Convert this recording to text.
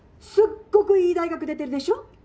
すっごくいい大学出てるでしょう。